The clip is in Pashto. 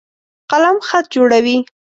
قلم خط جوړوي.